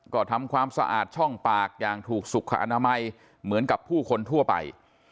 ก็ทำความสะอาดช่องปากอย่างถูกสุขอนามัยเหมือนกับผู้คนทั่วไป